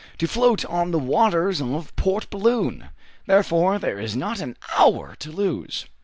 to float on the waters of Port Balloon! Therefore there is not an hour to lose!"